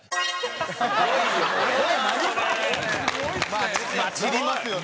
まあ散りますよね。